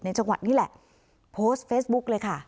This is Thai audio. จังหวัดนี่แหละโพสต์เฟซบุ๊กเลยค่ะ